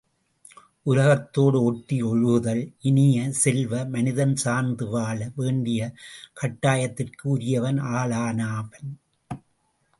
உலகத்தோடு ஒட்டி ஒழுகுதல் இனிய செல்வ, மனிதன் சார்ந்து வாழ வேண்டிய கட்டாயத்திற்கு உரியவன் ஆளானவன்!